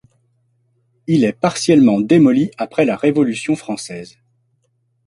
Il est partiellement démoli après la Révolution française.